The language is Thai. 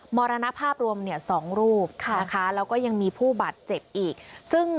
มรณภาพรวมเนี่ย๒รูปนะคะแล้วก็ยังมีผู้บาดเจ็บอีกซึ่ง